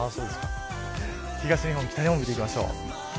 東日本北日本を見ていきましょう。